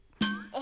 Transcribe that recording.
え？